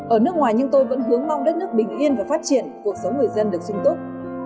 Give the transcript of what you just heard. ở nước ngoài nhưng tôi vẫn hướng mong đất nước bình yên và phát triển cuộc sống người dân được sung túc